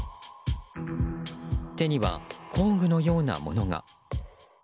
手には工具のようなものが。